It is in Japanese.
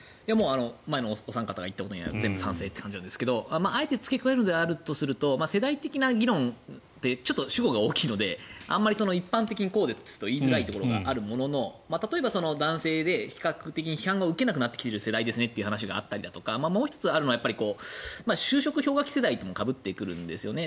前のお三方が言ったことに全部賛成という感じなんですがあえて付け加えるのであると世代的な議論って主語が大きいのであまり一般的にこうですと言いづらい部分があるものの例えば男性で比較的批判を受けなくなってきている世代ですねという話があったりとかもう１つ、あるのは就職氷河期世代ともかぶってくるんですよね。